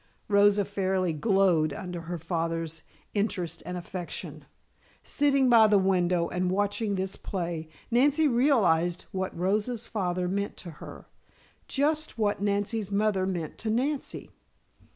Rosa fairly glowed under her father's interest and affection. Sitting by the window and watching this play, Nancy realized what Rosa's father meant to her just what Nancy's mother meant to Nancy.